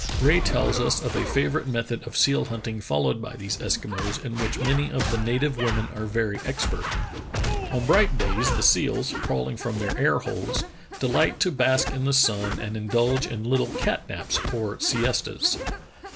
Rae tells us of a favorite method of seal hunting followed by these Eskimos in which many of the native women are very expert. On bright days the seals, crawling from their air holes, delight to bask in the sun and indulge in little cat naps or siestas.